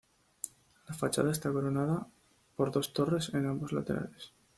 La fachada está coronada por dos torres en ambos laterales.